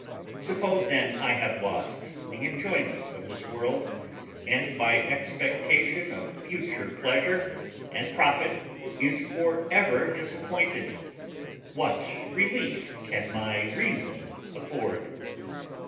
Suppose then I have lost the enjoyments of this world, and my expectation of future pleasure and profit is for ever disappointed, what relief can my reason afford?